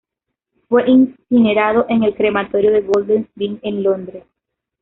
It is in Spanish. Fue incinerado en el crematorio de Golders Green en Londres.